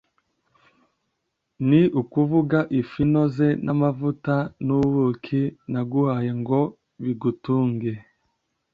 ni ukuvuga ifu inoze n amavuta n ubuki naguhaye ngo bigutunge